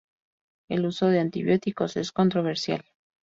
El uso de antibióticos es controversial.